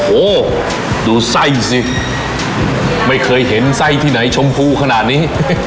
โอ้โหดูไส้สิไม่เคยเห็นไส้ที่ไหนชมพูขนาดนี้